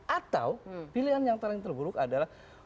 atau pilihan yang paling terburuk adalah